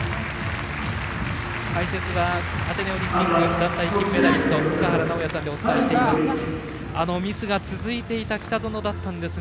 解説はアテネオリンピック団体金メダリスト塚原直也さんでお伝えしています。